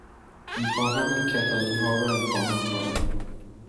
می خواهم این کتانی ها را امتحان کنم.